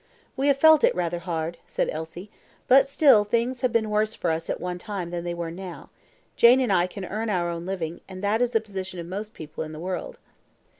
"We have felt it rather hard," said Elsie; "but still things have been worse for us at one time than they are now. Jane and I can earn our own living, and that is the position of most people in the world."